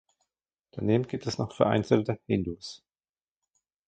Daneben gibt es noch vereinzelte Hindus.